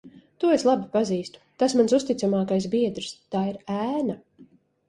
To es labi pazīstu. Tas mans uzticamākais biedrs. Tā ir ēna.